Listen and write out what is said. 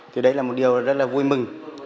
thì đấy là một điều rất là vui mừng